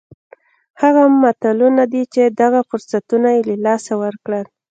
هغه ملتونه دي چې دغه فرصتونه یې له لاسه ورکړل.